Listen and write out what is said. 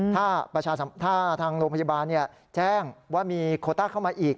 ถ้าทางโรงพยาบาลแจ้งว่ามีโคต้าเข้ามาอีก